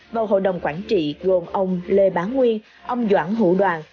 vào hội đồng quản trị gồm ông lê bán nguyên ông doãn hữu đoàn